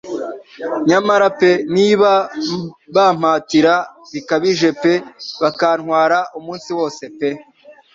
Nyamara pe niba bampatira bikabije pe bakantwara umunsi wose pe